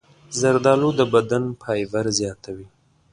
زردالو د بدن فایبر زیاتوي.